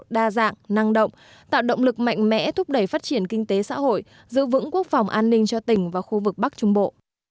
đa dạng năng động tạo động lực mạnh mẽ thúc đẩy phát triển kinh tế xã hội giữ vững quốc phòng an ninh cho tỉnh và khu vực bắc trung bộ